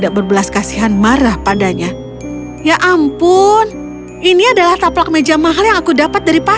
aku akan mulai mandi